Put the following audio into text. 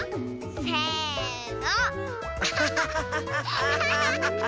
せの。